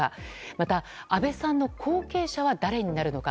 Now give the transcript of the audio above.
また安倍さんの後継者は誰になるのか。